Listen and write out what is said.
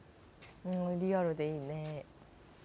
リアルでいいねえ